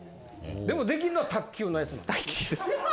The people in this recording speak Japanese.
でもできんのは卓球のやつなんですね。